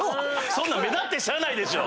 そんなん目立ってしゃあない！